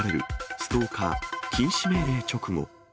ストーカー禁止命令直後。